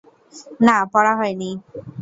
না, পড়া হয়নি।